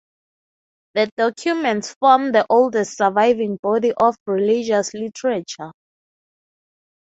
The documents form the oldest surviving body of religious literature.